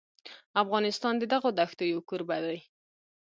افغانستان د دغو دښتو یو کوربه دی.